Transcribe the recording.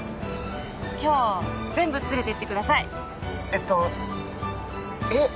今日全部連れてってくださいえっとえっ？